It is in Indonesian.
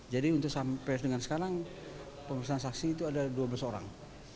jadi sampai dengan sekarang pembesaran saksi itu ada dua belas orang